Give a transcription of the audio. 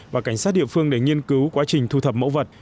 và cảnh sát địa phương để nghiên cứu quá trình thu thập mẫu vật